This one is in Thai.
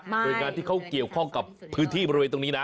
โดยงานที่เขาเกี่ยวข้องกับพื้นที่บริเวณตรงนี้นะ